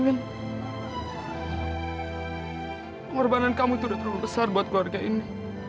pengorbanan kamu itu udah terlalu besar buat keluarga ini